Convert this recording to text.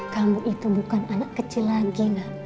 kamu itu bukan anak kecil lagi